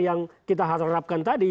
yang kita harapkan tadi